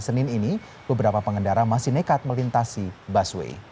senin ini beberapa pengendara masih nekat melintasi busway